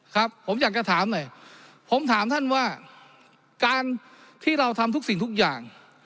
ครับผมอยากจะถามหน่อยผมถามท่านว่าการที่เราทำทุกสิ่งทุกอย่าง